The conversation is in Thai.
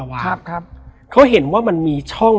แล้วสักครั้งหนึ่งเขารู้สึกอึดอัดที่หน้าอก